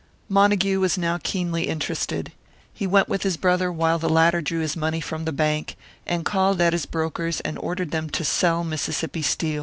Montague was now keenly interested. He went with his brother while the latter drew his money from the bank, and called at his brokers and ordered them to sell Mississippi Steel.